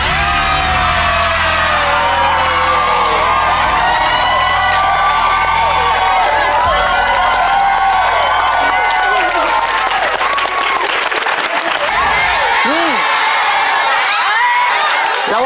ขอบคุณครับ